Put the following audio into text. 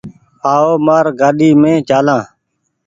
آئو مآر گآڏي مين چآلآن ۔